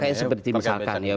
kayak seperti misalkan ya